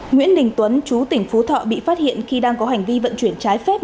nguyễn đình tuấn chú tỉnh phú thọ bị phát hiện khi đang có hành vi vận chuyển trái phép